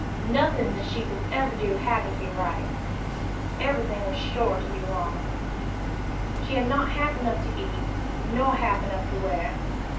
Nothing that she could do ever happened to be right; everything was sure to be wrong. She had not half enough to eat, nor half enough to wear.